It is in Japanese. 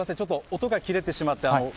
音が切れてしまって。